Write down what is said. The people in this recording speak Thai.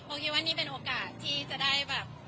คิดว่านี่เป็นโอกาสที่จะได้แบบ